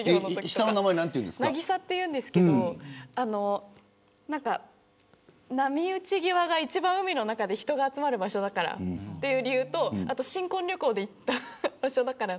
下の名前、渚というんですが波打ち際が一番海の中で人が集まる場所だからという理由と新婚旅行で行った場所だから。